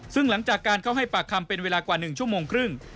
ซึ่งหลังจากการเข้าให้ปากคำเป็นเวลากว่า๑ชั่วโมงครึ่ง